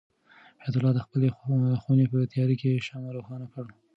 حیات الله د خپلې خونې په تیاره کې شمع روښانه کړه.